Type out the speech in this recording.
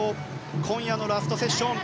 今夜のラストセッション。